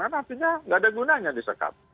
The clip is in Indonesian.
artinya gak ada gunanya disekat